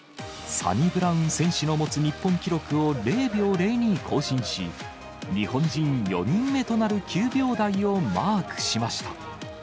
サニブラウン選手の持つ日本記録を０秒０２更新し、日本人４人目となる９秒台をマークしました。